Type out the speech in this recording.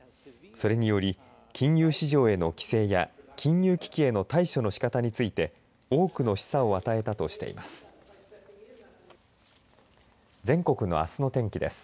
それにより金融市場への規制や金融危機への対処のしかたについて多くの示唆を与えたとしています。